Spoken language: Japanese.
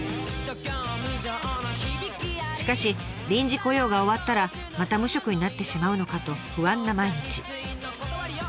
しかし臨時雇用が終わったらまた無職になってしまうのかと不安な毎日。